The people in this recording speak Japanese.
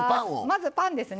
まずパンですね。